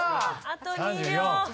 あと２秒。